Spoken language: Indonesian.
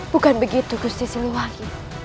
bukan begitu gusti siluwangi